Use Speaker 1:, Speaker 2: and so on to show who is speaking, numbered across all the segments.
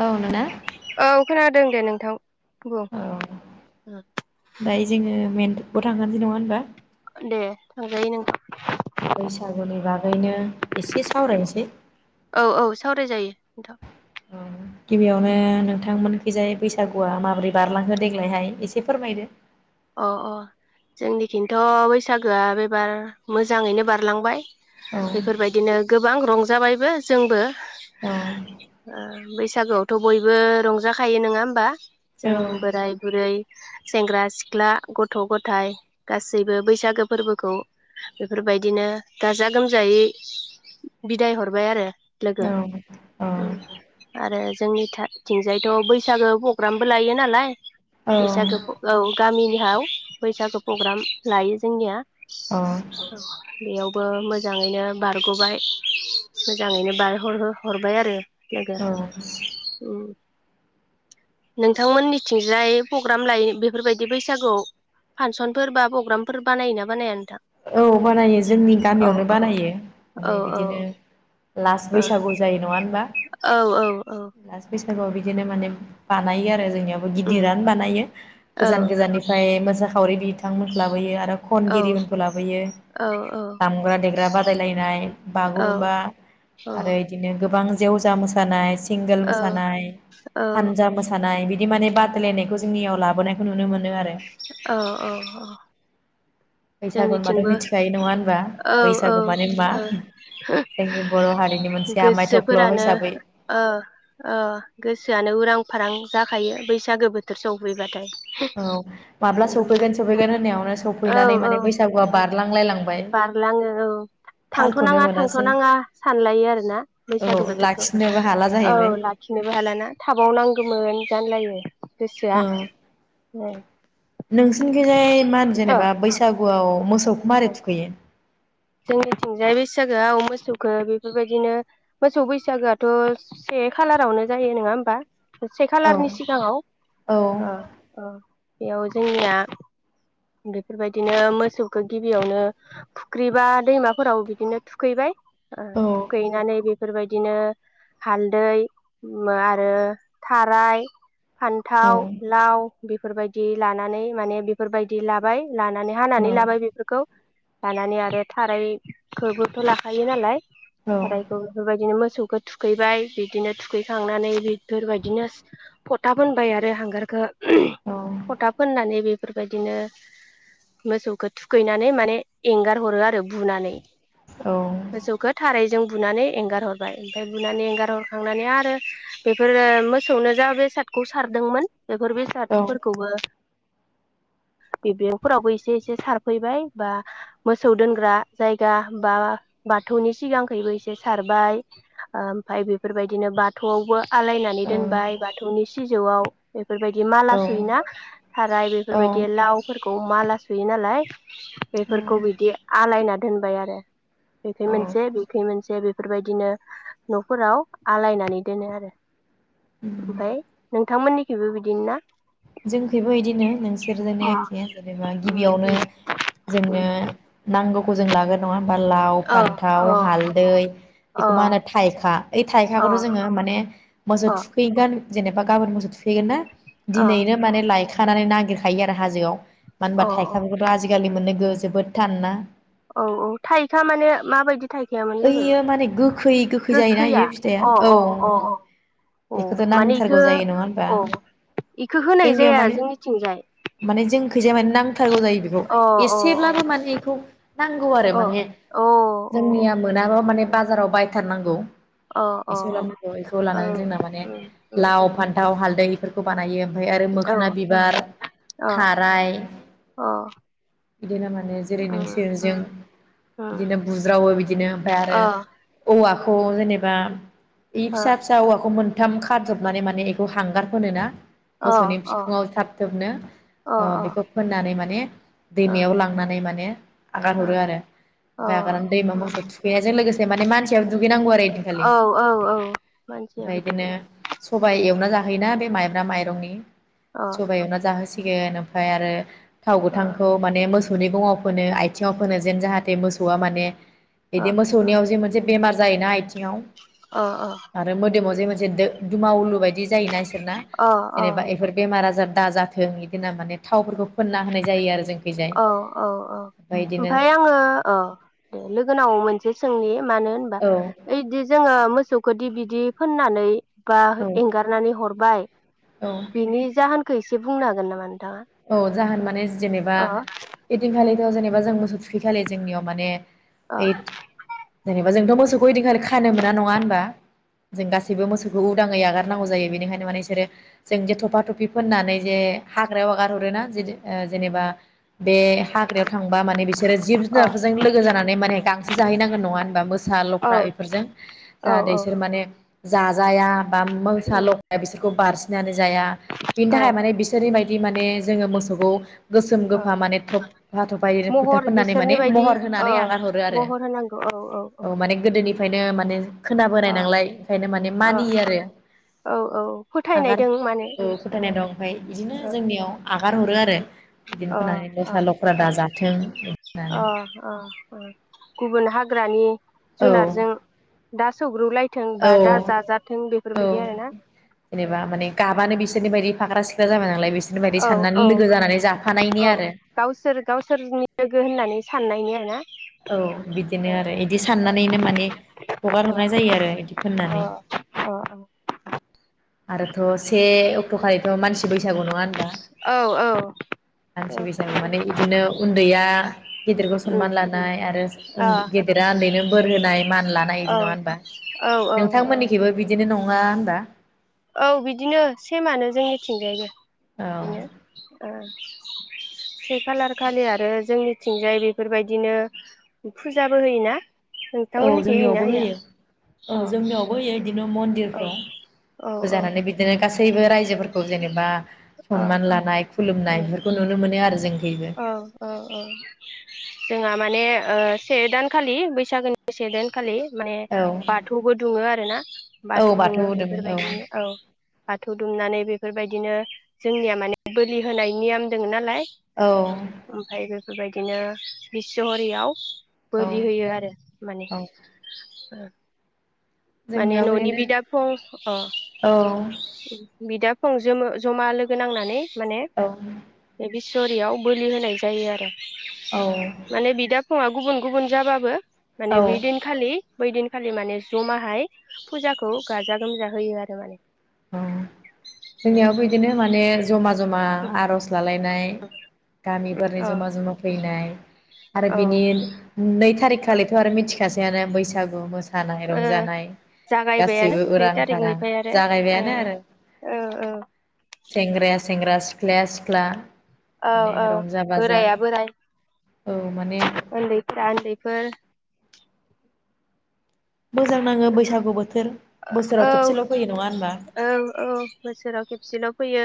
Speaker 1: औ नोंना
Speaker 2: औ खोनादों दे नों थां
Speaker 1: औ ओमफ्राय जोङो मेन थ फिगाव थांखानोसै नङा होनबा
Speaker 2: दे थांजायो नोंथां
Speaker 1: बैसागुनि बागैनो एसे सावरायनोसै
Speaker 2: औ औ सावरायजायो नोंथां
Speaker 1: ओ गिबियावनो नोंथांमोन खिजाय बैसागुआ माबोरै बारलांखो देग्लायहाय एसे फोरमायदो।
Speaker 2: अ अ जोंनिखिन्थ बैसागोआ बेबार मोजाङैनो बारलांबाय।
Speaker 1: औ
Speaker 2: बेफोरबायदिनो गोबां रंजाबायबो जोंबो
Speaker 1: औ
Speaker 2: बैसागोआवथ बयबो रंजाखायो नोङा होमबा। जों
Speaker 1: औ
Speaker 2: बोराय बुरै सेंग्रा सिख ख्ला गथ गथाय गासैबो बैसागो फोरबोखौ बेफोरबायदिनो गाजा गोमजायै बिदाय हरबाय आरो
Speaker 1: औ
Speaker 2: ओं आरो जोंनिथा थिंजायथ बै बैसागो प्रग्रामबो लायो नालाय
Speaker 1: औ
Speaker 2: बैसागो औ गामिनिहाव बैसागु प्रग्राम लायो जोंनिया
Speaker 1: अ
Speaker 2: बेयावबो मोजाङैनो बारग'बाय मोजाङैनो बारहरो हरबाय आरो लोगो
Speaker 1: औ
Speaker 2: नोंथांमोन मिथिंजाय प्रग्राम लायो बे बेफोरबायदि बैसागु फांसनफोर बा प्रग्रामफोर बानायोना बानाया नोंथां
Speaker 1: औ बानायो जोंनि
Speaker 2: औ
Speaker 1: गामियावनो
Speaker 2: औ
Speaker 1: बानायो माने
Speaker 2: औ
Speaker 1: बिदिनो लास्त
Speaker 2: औ
Speaker 1: बैसागु जायो नङा होनबा
Speaker 2: औ औ औ
Speaker 1: लास बैसागुआव बिदिनो माने बानायो आरो जोंनियाबो
Speaker 2: उम
Speaker 1: गिदिरनो बानायो
Speaker 2: औ
Speaker 1: गोजान गोजाननिफ्राय मोसाखावरि बि थां मोनलाबोयो आरो
Speaker 2: औ
Speaker 1: खनगिरि लाबोयो
Speaker 2: औ
Speaker 1: दामग्रा देग्रा बादायनाय बागुरुमबा आरो बिदिनो गोबां जेवजा मोसानाय सिंगोल
Speaker 2: औ
Speaker 1: मोसानाय हानजा मोसानाय बिदि बिदि माने बादायनायखौ जोंनियाव लाबोनायखौ नुनो मोनो आरो
Speaker 2: औ औ
Speaker 1: बैसागु होनबाथ'
Speaker 2: जोंनिथिंबो
Speaker 1: मिथिखायो नङा होनबा
Speaker 2: औ
Speaker 1: बैसागु माने मा
Speaker 2: औ
Speaker 1: जोंनि बर' हारिनि मोनसे आमाय थख्ल'
Speaker 2: गोसोफोरानो
Speaker 1: हिसाबै
Speaker 2: अ अ गोसोआनो उरां फारां जाखायो बैसागो बोथोर सफैबाथाय
Speaker 1: औ माब्ला
Speaker 2: नङा होमबा
Speaker 1: सफैगोन सफैगोन होननायावनो
Speaker 2: औ
Speaker 1: सफैनानै
Speaker 2: औ
Speaker 1: माने बैस
Speaker 2: बारलाङो औ
Speaker 1: थालखौनो
Speaker 2: थांथ'नाङा
Speaker 1: मोनासै
Speaker 2: थांथ'नाङा सानलायो आरोना
Speaker 1: औ
Speaker 2: बैसागु बोथोरखौ
Speaker 1: लाखिनोबो हाला
Speaker 2: औ
Speaker 1: जाहैबाय
Speaker 2: लाखिनोबो हालाना थाबाव नांगौमोन जानलायो गोसाआ औ
Speaker 1: नोंसिनिखिजाय मा होनो जेनेबा बैसागुआव मोसौखौ मारै थुखैयो
Speaker 2: जोङोथिंजाय बैसागोआव मोसौखौ बेफोरबायदिनो मोसौ बैसागोआथ' से खालारावनो जायो नङा होमबा से
Speaker 1: औ
Speaker 2: खालारनि सिगाङाव
Speaker 1: औ
Speaker 2: बेयाव जोंनिया बेफोरबायदिनो मोसौखौ गिबियावनो फुख्रिबा दैमाफोराव बिदिनो थुखैबाय ओ
Speaker 1: औ
Speaker 2: थुखैनानै बेफोरबायदिनो हालदै आरो थाराय
Speaker 1: औ
Speaker 2: फान्थाव लाव बेफोरबायदि लानानै माने बेफोरबायदि बि लाबाय लानानै हानानै लाबाय बेफोरखौ लानानै आरो थारायखौबोथ लाखायो नालाय
Speaker 1: औ
Speaker 2: खारायखौ बेफोरबायदिनो मोस मोसौखौ थुखैबाय बिदिनो थुखैखांनानै बेफोरबायदिनो फथाब फोनबाय आरो हांगारखौ। फथा फोननानै बे फोरबाइदि बिदिनो मोसौखौ थुखैनानै माने एंगार हरो आरो। बुनानै
Speaker 1: औ
Speaker 2: मोसौखौ थारै जों बुनानै एंगार हरबाय ओमफ्राय बुनानै एंगार हरखांनानै आरो बेफोरो मोसौनो जा बेसादखौ सारदोंमोन बेफोर बेसादफोरखौबो बिबेंफोरावबो एसे एसे सारफैबाय बा मोसौ दोनग्रा जायगा बा बाथौनि सिगांखैबो एसे सारबाय ओमफफ्राय बेफोरबायदिनो बाथौआवबो आलायनानै
Speaker 1: औ
Speaker 2: दोनबाय बाथौनि सि सिजौआव बे। बेफोरबायदि माला सोयोना थार बे बेफोरबायदि लाव फोर खौ माला सुयो नाालाय बेफोरखौ बिदि आलायनानै दोनबाय आरो बेखै
Speaker 1: औ
Speaker 2: मोनसे बेखै मोनसे बेफोरबायदिनो नफोराव आलायनानै दोनो आरो।
Speaker 1: औ
Speaker 2: ओमफ्राय नोंथांमोननि थेबो बिदि ना?
Speaker 1: जोंनि थिंबो बिदिनो नों सोर जोंनो
Speaker 2: अ
Speaker 1: एके जेनेबा गिबियावनो जोंनो नांगौ जों लागोन नङा बा लाव
Speaker 2: अ
Speaker 1: फान्थाव
Speaker 2: अ
Speaker 1: हालदै
Speaker 2: अ
Speaker 1: बेखौ मा होनो थाइखा ओइ
Speaker 2: अ
Speaker 1: थाइखाखौथ' जोङो माने मोसौ
Speaker 2: अ
Speaker 1: थुखैगोन जेनबा गाबोन मोसौ थुफैगोना।
Speaker 2: अ
Speaker 1: दिनैनो माने लाइ खानानै नागिरखायो आरो हाजोआव। मानो
Speaker 2: औ
Speaker 1: होनबा थाइखाफोरखौथ' आजिखालि मोनो गो जोबोद थानना
Speaker 2: औ औ थाइखा माने माबायदि थाइखायामोन लोगो
Speaker 1: ओइयो माने गोखै गोखै जायोना
Speaker 2: गोखैया
Speaker 1: इयो फिथाइया
Speaker 2: अ
Speaker 1: औ
Speaker 2: अ अ औ
Speaker 1: बेखौथ'
Speaker 2: अ माने
Speaker 1: नांथारगौ
Speaker 2: इखौ
Speaker 1: जायो नङा होमबा
Speaker 2: औ। बेखौ होनाय
Speaker 1: जोंनियाव
Speaker 2: जाया जोंनिथिंजाय।
Speaker 1: इमान नां थारगौ जायो बेखौ
Speaker 2: अ अ
Speaker 1: एसेब्लाबो माने बेखौ नांगौ आरो
Speaker 2: अ
Speaker 1: माने
Speaker 2: अ अ
Speaker 1: जोंनिया मोनाब्ला माने बाजाराव बाय थारनांगौ।
Speaker 2: अ अ
Speaker 1: एसे
Speaker 2: अ
Speaker 1: लाबोनांगौ इखौ लानानै
Speaker 2: मानसियाबो
Speaker 1: जोंना माने लाव
Speaker 2: बिदिनो
Speaker 1: फान्थाव हालदै बेफोरखौ खौ बानायो ओमफाय आरो मोखोन बिबार
Speaker 2: अ
Speaker 1: खाराय
Speaker 2: अ
Speaker 1: बिदिनो माने जेरै
Speaker 2: अ
Speaker 1: नोंसोरजों
Speaker 2: अ
Speaker 1: बिदिनो बुज्रावो बिदिनो ओमफाय आरो औवा खौ जेनेबा इ
Speaker 2: अ
Speaker 1: फिसा फिसा औवाखौ मोन थाम खारजाबनानै माने बेखौ हांगार फोनो ना मोसौनि बिखुंआव थाब थोबनो अ बेखौ फोननानै माने दैमायाव लांनानै माने आगार हरो आरो ओमफाय आगारनानै दैमा मोसौ थुखैनायजों लोगोसे माने मानसियाबो दुगैनांगौ आरो ओइदिखालि ओमफाय बिदिनो सबाइ एवना जाहैयोना बे माइब्रा माइरंनि [inaudible] सबाय एवना जाहोसि फैगोन ओमफ्राय आरो थाव गोथांखौ माने मोसौ मोसौनि गङाव फोनो आथिङाव फोनो जेन जाहाथे मोसौआ माने बिदि मोसौनियाव जे मोनसे बेमार जायोना आथिं नियाव
Speaker 2: औ
Speaker 1: आरो मोद जेमाव जे मोनसे दो दुमावलु बायदि बिदि जायोना इसोरना जेनेबा इफोर बेमार आजार दा जाथों इदि होनना माने थावफोरखौ फोनना होनाय जायो आरो जोंखैजाय
Speaker 2: औ औ औ
Speaker 1: ओमफ्राय बिदिनो
Speaker 2: ओमफाय ओङो ओ द लोगोनाव मोनसे सोंनि मानो होनबा
Speaker 1: औ
Speaker 2: ओइ दि जोङो मोसौखोदि बिदि फोननानै एबा
Speaker 1: औ
Speaker 2: एंगारनानै हरबाय
Speaker 1: औ
Speaker 2: बिनि जाहोन खौ एसे बुंनो हागोन नामा नोंथाङा
Speaker 1: औ जाहोन माने जेनेबा
Speaker 2: अ
Speaker 1: एदिनखालि ज जेनेबा जों मोसौ थुखै खालि जोंनियाव माने
Speaker 2: अ
Speaker 1: ओइद जेनेबा जोंथ' मोसौ ओइदिनखालि खानो मोना नङा होनबा जों गासैबो मोसौखौ उदाङै आगारनांगौ जायो बेनिखायनो माने बिसोरो जों जे थफा थफि फोननानै जे हाग्रायाव आगार रोना जेथे जेनेबा बे हाग्रायाव थांबा माने बिसोरो जिब
Speaker 2: अ
Speaker 1: जुनारफोरजों लोगो जानानै माने गांसो जाहैनांगोन नङा होनबा मोसा
Speaker 2: औ
Speaker 1: लख्रा बेफोरजों
Speaker 2: औ
Speaker 1: जाहाथे
Speaker 2: औ
Speaker 1: बिसोर माने जाजाया बा मोसा
Speaker 2: उम
Speaker 1: लख्राया बिसोरखौ बारसिन जेनो जाया बिनि
Speaker 2: अ
Speaker 1: थाखाय माने बिसोरनि माय- दि माने जोङो मोसौखौ गोसोम
Speaker 2: अ
Speaker 1: गोफा माने थफा थफा फोथा
Speaker 2: महर
Speaker 1: फोननानै
Speaker 2: बिसोरनि
Speaker 1: माने
Speaker 2: बायदि
Speaker 1: महर
Speaker 2: अ
Speaker 1: होनानै आगान हरो आरो
Speaker 2: महर होनांगौ औ
Speaker 1: औ माने गोदोनि ओंखायनो माने खोनाबोनाय
Speaker 2: अ
Speaker 1: नालाय ओंखायनो माने
Speaker 2: अ
Speaker 1: मानियो आरो
Speaker 2: औ औ
Speaker 1: आगार
Speaker 2: फोथायनायदों माने ओ
Speaker 1: फोथायनाय दं ओमफाय बिदिनो
Speaker 2: ओ
Speaker 1: जोंनियाव हगारहरो आरो बिदिनो
Speaker 2: अ
Speaker 1: फोनानै
Speaker 2: अ
Speaker 1: दस्रा लख्रा
Speaker 2: अ
Speaker 1: दा जाथों होननानै
Speaker 2: अ अ अ गुबन हारि हाग्रानि
Speaker 1: औ
Speaker 2: जुनारजों दा सौग्रुलाय थों
Speaker 1: औ
Speaker 2: बा दा जाजाथों
Speaker 1: औ
Speaker 2: बेफोरबायदि आरोना औ
Speaker 1: नि बायदि फाग्रा सिख्रा जाबाय नालाय बिसो-
Speaker 2: औ औ औ
Speaker 1: आरो
Speaker 2: गावसोर गावसोरनि लोगो होननानै साननायनि आरो ना
Speaker 1: औ बिदिनो आरो बिदि साननानैनो माने हगार
Speaker 2: ओ
Speaker 1: हरनाय जायो आरो बिदि
Speaker 2: ओ अ
Speaker 1: फोननानै आरोथ से अक्टखलिथ मानसि बैसागु नङा होनबा
Speaker 2: अ औ औ
Speaker 1: मानसि बैसागु माने इदिनो उन्दैया गिदिरखौ
Speaker 2: उम
Speaker 1: सनमान लानो लानाय
Speaker 2: अ
Speaker 1: गेदेरा उन्दैनो बोर होनाय मान लानाय
Speaker 2: औ
Speaker 1: बिदि नङा होनबा
Speaker 2: औ औ औ
Speaker 1: नोंथांमोननिखबो बिदिनो नङा नङा होमबा
Speaker 2: औ बिदिनो सेमानो
Speaker 1: औ
Speaker 2: जोंनिथिंजायबो बिदिनो से खालार खालि आरो जोंनिथिंजाय बेफोरबायदिनो फुजाबो होयोना
Speaker 1: औ
Speaker 2: नोंथांमोननिखै होयोना
Speaker 1: जोंनियावबो
Speaker 2: होया
Speaker 1: होयो
Speaker 2: अ
Speaker 1: औ जोंनियावबो होयो बिदिनो मन-
Speaker 2: औ
Speaker 1: दिरफ्राव
Speaker 2: औ औ
Speaker 1: फुजाहोनानै बिदिनो गासैबो रायजोफोरखौ जेनेबा
Speaker 2: अ
Speaker 1: सनमान लानाय खुलुमनाय बेफोरखौ नुनो मोनो आरो जों
Speaker 2: ओ ओ ओ जोंहा माने ओ से दानखालि बैसागोनि से दानखालि माने
Speaker 1: औ
Speaker 2: बाथौबो दुङो आरो ना बाथौ दुङो बेफोरबायदिनि औ बाथौ दुमनानै बे बेफोरबायदिनो जोंनिया माने बोलि होनाय नियम दोङ नालाय
Speaker 1: औ
Speaker 2: ओमफ्राय बेफोरबाय बिदिनो बिस' हरियाव
Speaker 1: औ
Speaker 2: बोलि होयो आरो माने
Speaker 1: औ
Speaker 2: ओ माने
Speaker 1: जोंनियाव
Speaker 2: न'नि
Speaker 1: बिदिनो
Speaker 2: बिदा फं अ
Speaker 1: औ
Speaker 2: ओं बिदा फं जोमो जमा लोगो नांनानै माने
Speaker 1: औ
Speaker 2: बेबि सरियाव बोलि होनाय जायो आरो माने बिदाब फुङा गुबुन गुबुन जाबाबो माने
Speaker 1: औ
Speaker 2: बे दिन खालि बैदिनखालि माने ज'मा हाय फुजाखौ गाजा गोमजा होयो आरो माने।
Speaker 1: औ जोंनियावबो बिदिनो माने जमा जमा आरज जालायनाय गामिफोरनि
Speaker 2: अ
Speaker 1: जमा जमा फैनाय आरो
Speaker 2: औ
Speaker 1: बिनि नै थारिख खालिथ' आरो मिथिखासैयानो बैसागु मोस मोसानाय
Speaker 2: ओ
Speaker 1: रंजानाय
Speaker 2: जागायबायानो
Speaker 1: गासिबो
Speaker 2: नै
Speaker 1: उरां फारां
Speaker 2: थारिखनिफ्राय आरो ओ
Speaker 1: जागायबायानो आरो
Speaker 2: औ औ
Speaker 1: सेंग्राया सेंग्रा सिख्लाया सिख्ला
Speaker 2: औ
Speaker 1: माने
Speaker 2: औ
Speaker 1: रंजा बाजा
Speaker 2: बोराइया बोराय
Speaker 1: औ माने
Speaker 2: ओन्दैफोरा ओन्दैफोर
Speaker 1: मोजां नाङो बैसागु बोथोर बोसोराव
Speaker 2: औ
Speaker 1: खेबसेल' फैयो नङा होनबा
Speaker 2: औ औ बोसोराव खेबसेल फैयो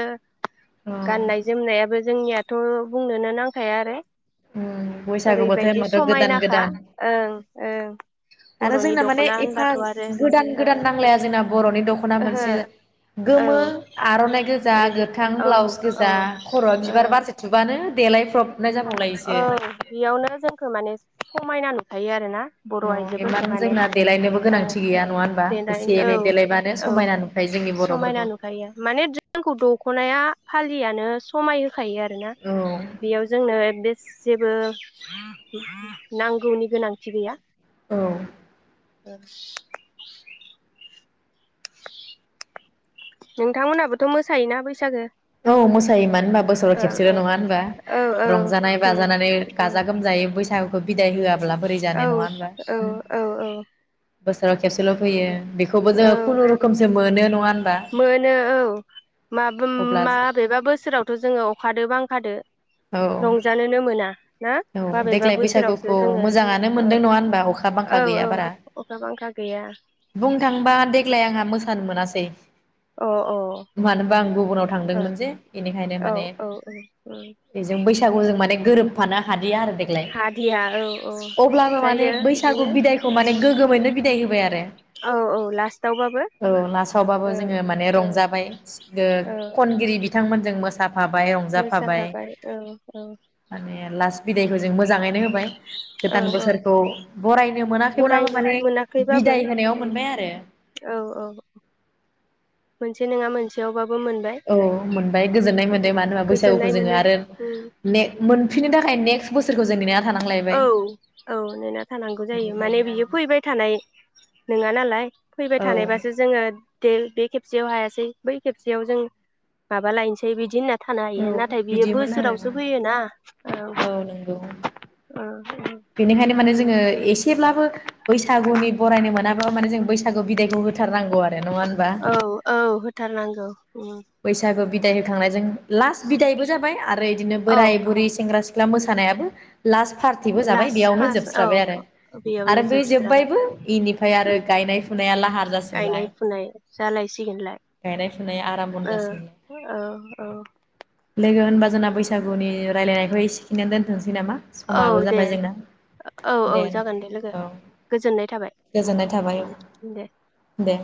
Speaker 1: औ
Speaker 2: गाननाय जोमनायाबो जोंनिया थ बुंनोनो नांखाया आरो
Speaker 1: उम बैसागु बोथोर
Speaker 2: ओरैबायदि
Speaker 1: होनबाथ' गोदान
Speaker 2: समायनाखा
Speaker 1: गोदान
Speaker 2: ओं ओं
Speaker 1: आरो
Speaker 2: बर'नि
Speaker 1: जोंना माने
Speaker 2: दखना होनबाथ
Speaker 1: एफा
Speaker 2: आरो
Speaker 1: गोदान गोदान
Speaker 2: ओं
Speaker 1: नांलाया जोंना बर'नि दख'ना मोनसे
Speaker 2: ओं ओहो औ
Speaker 1: गोमो आर'नाइ गोजा
Speaker 2: ओरै
Speaker 1: गोथां
Speaker 2: औ
Speaker 1: ब्लाउस
Speaker 2: औ
Speaker 1: गोजा खर'आ
Speaker 2: औ
Speaker 1: बिबार बारसे थुबानो देलायफ्रबनाय जाबावलायस
Speaker 2: औ बेयावनो जोंखौ माने समाय ना नुखायो आरो ना बर'
Speaker 1: अ
Speaker 2: आइजोफोरखौ
Speaker 1: इमान
Speaker 2: माने
Speaker 1: जोंना देलायनोबो
Speaker 2: ओ
Speaker 1: गोनांथि गैया नङा होनबा
Speaker 2: देनाय
Speaker 1: एसे
Speaker 2: औ
Speaker 1: एनै देलायबानो
Speaker 2: औ
Speaker 1: समायना नुखायो जोंनि
Speaker 2: समायना
Speaker 1: बर'फोरखौ
Speaker 2: नुखायो माने जोंखौ दख'नाया फालियानो समाय होखायो आरोना
Speaker 1: औ
Speaker 2: आंनो बे जेबो नांगौनि गोनांथि गैया।
Speaker 1: औ
Speaker 2: ओ नोंथांमोनहाबोथ' मोसायोना बैसागो?
Speaker 1: औ मोसायो मानो होनबा बोसोराव
Speaker 2: ओ
Speaker 1: खेबसेल'
Speaker 2: ओ
Speaker 1: नङा होनबा
Speaker 2: औ औ
Speaker 1: रंजानाय
Speaker 2: उम
Speaker 1: बाजानानै
Speaker 2: उम
Speaker 1: गाजा गोमजायै बैसा [unintelligible] बिदाय होआब्ला बोरै
Speaker 2: औ
Speaker 1: जानाय नङा होनबा
Speaker 2: औ औ
Speaker 1: बोसोराव खेबसेल' फैयो बेखौबो
Speaker 2: औ
Speaker 1: जोङो खुनुरुखुमसो मोनो नङा होन
Speaker 2: मोनो औ माब
Speaker 1: अब्ला
Speaker 2: माबेबा बोसोरावथ' जोङो अखादो बांखादो
Speaker 1: औ
Speaker 2: रंजानोनो मोना। ना
Speaker 1: औ
Speaker 2: माबेबा
Speaker 1: देग्लाय
Speaker 2: बोसोरावसो
Speaker 1: बैसागुखौ
Speaker 2: जोङो
Speaker 1: मोजाङानो
Speaker 2: ओ
Speaker 1: मोनदों नङा होनबा अखा बांखा
Speaker 2: औ
Speaker 1: गैया
Speaker 2: औ
Speaker 1: बारा
Speaker 2: अखा बांखा गैया
Speaker 1: बुंनो थांबा देग्लाय आंहा मो सानो मोनासै
Speaker 2: अ ओ
Speaker 1: मानोबा आं गुबुनाव थांदोंमोन जे बेनिखायनो
Speaker 2: औ
Speaker 1: माने
Speaker 2: औ उम
Speaker 1: बेजों बैसागुजों माने गोरोबफाना हादिया आरो देग्लाय
Speaker 2: हादिया औ औ
Speaker 1: अब्लाबो माने
Speaker 2: जायो
Speaker 1: बैसागु
Speaker 2: बिदिनो
Speaker 1: बिदाइखौ माने गोगोमैनो बिदाइ होबाय आरो
Speaker 2: औ औ लास्टावबाबो
Speaker 1: औ लासावबाबो
Speaker 2: ओ
Speaker 1: जोंङो माने
Speaker 2: ओ
Speaker 1: रंजानाय ओ
Speaker 2: औ
Speaker 1: खनगिरि बिथां मोनजों मोसा फाबाय रंजाफाबाय
Speaker 2: मोसाखाबाय औ औ
Speaker 1: माने ए लास्ट बिदैखौ जों मोजाङैनो होबाय
Speaker 2: औ
Speaker 1: गोदान
Speaker 2: औ
Speaker 1: बोसोरखौ बरायनो मोनाखैब्लाबो
Speaker 2: बरायनो
Speaker 1: माने
Speaker 2: मोनाखैबाबो
Speaker 1: बिदाय होनायाव
Speaker 2: उम
Speaker 1: मोनबाय आरो
Speaker 2: औ औ मोनसे नङा मोनसेयावबा
Speaker 1: औ मोनबाय गोजोन्नाय मोन्दों
Speaker 2: उम
Speaker 1: मानो होनबा बैसागुखौ
Speaker 2: गोजोननाय
Speaker 1: जोङो
Speaker 2: मोनो
Speaker 1: आरो
Speaker 2: उम
Speaker 1: ने मोन फिनो थाखाय नेक्स बोसोर
Speaker 2: औ औ नेना थानांगौ जायो माने
Speaker 1: बेनिखायनो आरो
Speaker 2: बियो फैबाय थानाय नङा नालाय फैबाय
Speaker 1: औ
Speaker 2: थानायबासो जोङो देल बेे खेबसेयाव हायासै बै खेबसेयाव जों माबा लायनोसै बिदि होनना थानो हायो
Speaker 1: औ
Speaker 2: नाथाय बियो
Speaker 1: बिदिमोन आरो
Speaker 2: बोसोरावसो फैयोना औ औ
Speaker 1: बेनिखायनो माने जोङो एसेब्लाबो बैसागुनि बरायनो मोना ओ माने जों बै सागु बिदायखौ होथारनांगौ आरो नङा होनबा?
Speaker 2: औ औ होथारनांगौ उम
Speaker 1: बैसागो बि दाय होखांनायजों लास्ट बिदायबो जाबाय आरो इदिनो
Speaker 2: औ
Speaker 1: बोराय बुरै सेंग्रा सि ख्ला मोसानायाबो लास्ट पार्टिबो जाबाय
Speaker 2: लास्ट
Speaker 1: बेयावनो
Speaker 2: फास औ
Speaker 1: जोबस्राबाय आरो
Speaker 2: बेयावनो
Speaker 1: आरो बै
Speaker 2: जोबस्राबाय
Speaker 1: जोब्बायबो इनिफ्राय आरो
Speaker 2: उम
Speaker 1: गायनाय फुनाया लाहार जासिगोनलाय
Speaker 2: गायनाय फुनाय
Speaker 1: गायनाय फुनाया आरामभनि
Speaker 2: औ औ औ।
Speaker 1: लोगो होनबा जोंना बैसागुनि रायलायनायखौ एसेखिनियावनो दोनथनोसै नामा
Speaker 2: औ
Speaker 1: समाबो
Speaker 2: दे
Speaker 1: जाबाय जोंना
Speaker 2: औ औ जागोन दे लोगो
Speaker 1: होनबा औ
Speaker 2: गोजोननाय थाबाय
Speaker 1: गोजोननाय थाबाय औ
Speaker 2: उम दे।
Speaker 1: दे